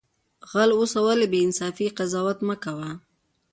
غل اوسه ولی بی انصافی قضاوت مکوه